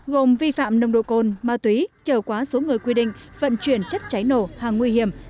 gồm vi phạm nồng độ cồn ma túy trở quá số người quy định vận chuyển chất cháy nổ hàng nguy hiểm